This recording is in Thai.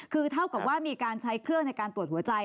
คือเท่ากับว่ามีการใช้เครื่องในการตรวจหัวใจ